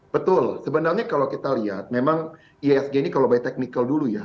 betul sebenarnya kalau kita lihat memang ihsg ini kalau by technical dulu ya